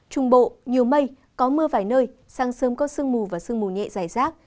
trung bộ nhiều mây có mưa vài nơi sáng sớm có sương mù và sương mù nhẹ dài rác